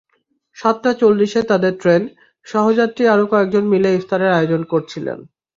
সাতটা চল্লিশে তাঁদের ট্রেন, সহযাত্রী আরও কয়েকজন মিলে ইফতারের আয়োজন করছিলেন।